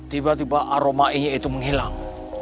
tiba tiba aroma ini itu menghilang